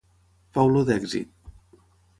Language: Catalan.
Fa olor d'èxit.